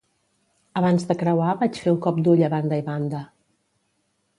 Abans de creuar vaig fer un cop d'ull a banda i banda.